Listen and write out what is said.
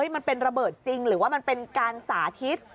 มันเป็นระเบิดจริงหรือว่ามันเป็นการสาธิต